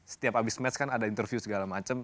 setiap habis match kan ada interview segala macam